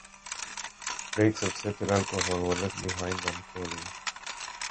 Flakes of cetyl alcohol were left behind on cooling.